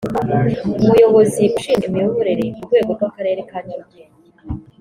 Umuyobozi ushinzwe imiyoborere ku rwego rw’Akarere ka Nyarugenge